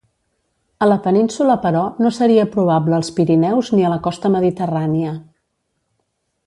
A la península però no seria probable als Pirineus ni a la costa mediterrània.